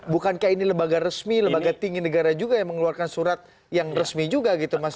bukankah ini lembaga resmi lembaga tinggi negara juga yang mengeluarkan surat yang resmi juga gitu mas